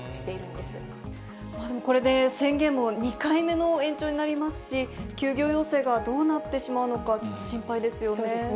でもこれで、宣言も２回目の延長になりますし、休業要請がどうなってしまうのか、そうですね。